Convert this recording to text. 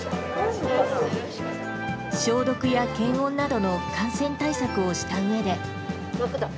消毒や検温などの感染対策をしたうえで。